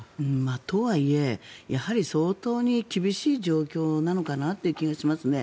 とはいえ、やはり相当に厳しい状況なのかなという気がしますね。